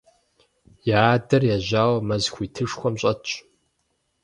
Я адэр ежьауэ мэз хуитышхуэм щӀэтщ.